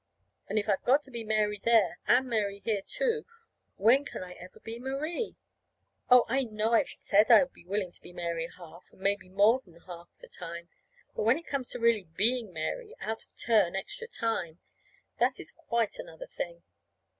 And if I've got to be Mary there and Mary here, too, when can I ever be Marie? Oh, I know I said I'd be willing to be Mary half, and maybe more than half, the time. But when it comes to really being Mary out of turn extra time, that is quite another thing.